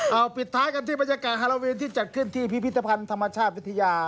เอาปิดท้ายกันที่บรรยากาศฮาราเวนที่จัดขึ้นที่พิพิธภัณฑ์ธรรมชาติวิทยา